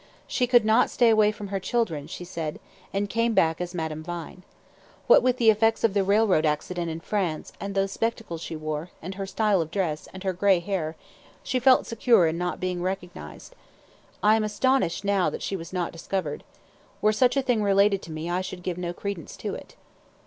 "She could not stay away from her children, she said, and came back as Madame Vine. What with the effects of the railroad accident in France, and those spectacles she wore, and her style of dress, and her gray hair, she felt secure in not being recognized. I am astonished now that she was not discovered. Were such a thing related to me I should give no credence to it."